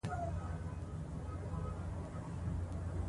میوند فتح سو.